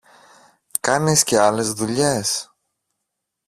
Κάνεις και άλλες δουλειές;